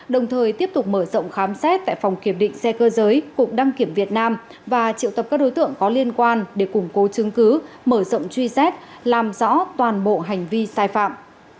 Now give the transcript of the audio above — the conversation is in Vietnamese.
đồng thời tiếp tục mở rộng khám xét tại phòng kiểm định xe cơ giới cục đăng kiểm việt nam và triệu tập các đối tượng có liên quan để củng cố chứng cứ mở rộng truy xét làm rõ toàn bộ hành vi sai phạm